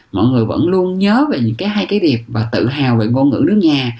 mọi người vẫn luôn nhớ về những cái hay cái đẹp và tự hào về ngôn ngữ nước nhà